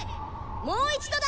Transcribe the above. もう一度だ！